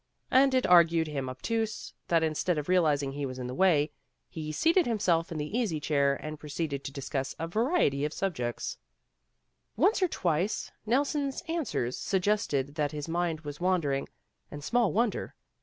And it argued him obtuse, that instead of realizing he was in the way, he seated himself in the easy chair, and proceeded to discuss a variety of subjects. Once or twice Nelson's answers suggested that his mind was wandering, and small wonder.